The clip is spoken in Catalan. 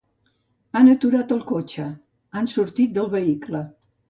Han aturat el cotxe, han sortit del vehicle.